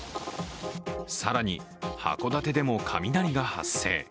更に、函館でも雷が発生。